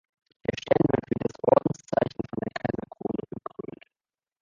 Der Stern wird wie das Ordenszeichen von der Kaiserkrone gekrönt.